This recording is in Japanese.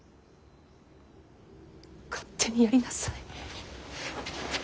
勝手にやりなさい。